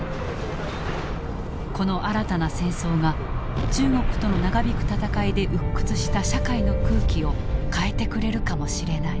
この新たな戦争が中国との長引く戦いで鬱屈した社会の空気を変えてくれるかもしれない。